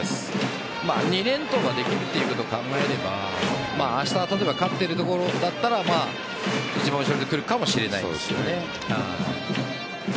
２連投ができるということを考えれば明日、例えば勝っているところだったら一番後ろで来るかもしれないですね。